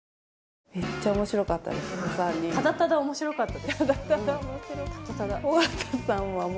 ただただ面白かった。